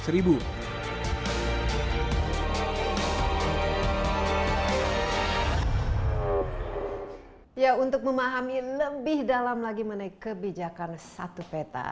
ya untuk memahami lebih dalam lagi mengenai kebijakan satu peta